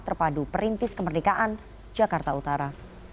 terpadu perintis kemerdekaan jakarta utara